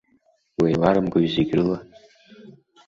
Уеиларымгои зегь рыла!